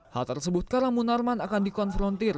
hal tersebut karena munarman akan dikonfrontir